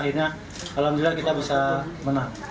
akhirnya alhamdulillah kita bisa menang